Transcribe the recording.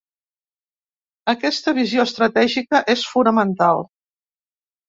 Aquesta visió estratègica és fonamental.